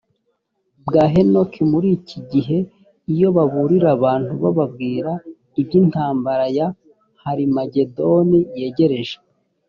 bwa henoki muri iki gihe iyo baburira abantu bababwira iby intambara ya harimagedoni yegereje